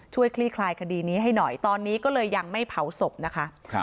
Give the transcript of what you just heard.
คลี่คลายคดีนี้ให้หน่อยตอนนี้ก็เลยยังไม่เผาศพนะคะ